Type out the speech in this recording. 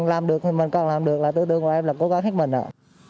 làm được thì mình còn làm được là tự tư của em là cố gắng hết mình ạ